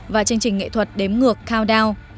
và chương trình nghệ thuật đếm ngược countdown